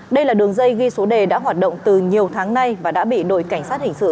đây là đường dây ghi số đề đã hoạt động từ nhiều tháng nay và đã bị đội cảnh sát hình sự